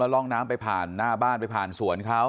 ร่องน้ำไปผ่านหน้าบ้านไปผ่านสวนเขา